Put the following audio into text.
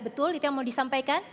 betul itu yang mau disampaikan